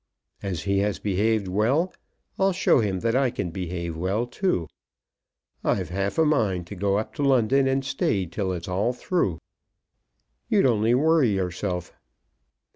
As he has behaved well, I'll show him that I can behave well too. I've half a mind to go up to London, and stay till it's all through." "You'd only worry yourself."